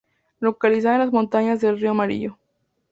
Localizada en las montañas del Río Amarillo.